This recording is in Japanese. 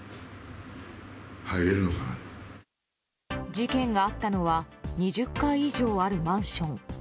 事件があったのは２０階以上あるマンション。